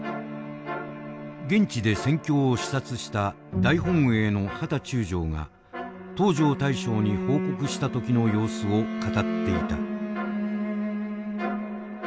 現地で戦況を視察した大本営の秦中将が東條大将に報告した時の様子を語っていた。